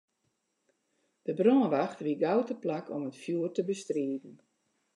De brânwacht wie gau teplak om it fjoer te bestriden.